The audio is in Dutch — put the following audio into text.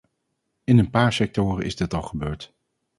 In een paar sectoren is dit al gebeurd.